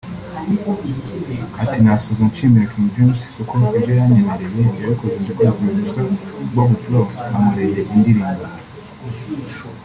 Ati “Nasoza nshimira King James kuko ibyo yanyemereye yabikoze ndetse na Producer Bob Pro ankoreye indirimbo